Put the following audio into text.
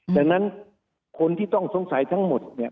ดังนั้นคนที่ต้องสงสัยทั้งหมดเนี่ย